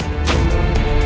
kau adalah ratu junti